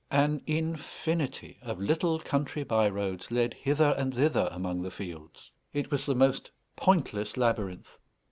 An infinity of little country by roads led hither and thither among the fields. It was the most pointless labyrinth.